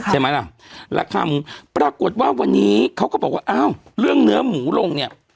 พเจ้ามีแรงระคาหมูปรากฏว่าวันนี้เขาก็บอกว่าเอ้าเรื่องเนื้อหมูลงเนี่ย